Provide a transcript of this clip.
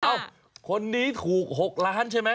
คนนี้ถูก๖ล้านใช่ไหม